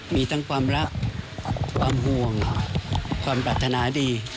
มีทั้งความรักความห่วงความปรารถนาดี